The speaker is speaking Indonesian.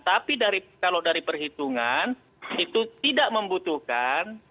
tapi kalau dari perhitungan itu tidak membutuhkan